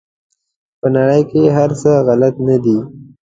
په نړۍ کې هر څه غلط نه دي.